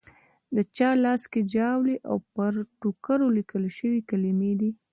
د چا لاس کې ژاولي او پر ټوکرو لیکل شوې کلیمې دي.